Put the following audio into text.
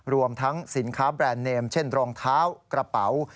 รวมทั้งสินค้าแบรนด์เนมเช่นรองเท้ากระเป๋า